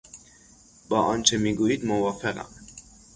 با آنچه میگویید موافقم.